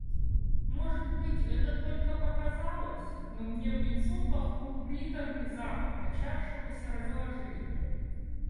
Может быть, это только показалось, но мне в лицо пахнул приторный запах начавшегося разложения.